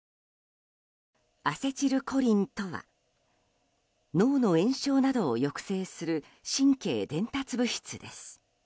アセチルコリンとは脳の炎症などを抑制する神経伝達物質です。